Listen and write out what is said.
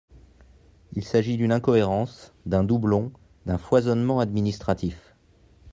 Il s’agit d’une incohérence, d’un doublon, d’un foisonnement administratif.